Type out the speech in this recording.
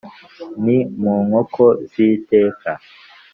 ni mu nkoko z’iteka.